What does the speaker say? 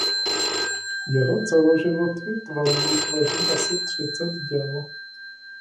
Jeho celoživotní tvorbu tvoří asi třicet děl.